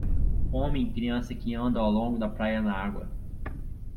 Homem e criança que andam ao longo da praia na água.